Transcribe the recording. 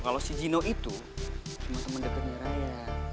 kalau si gino itu cuma temen deketnya raya